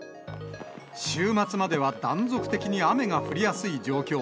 週末までは断続的に雨が降りやすい状況。